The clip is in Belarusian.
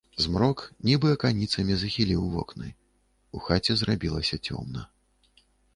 Змрок, нібы аканіцамі, захіліў вокны, у хаце зрабілася цёмна.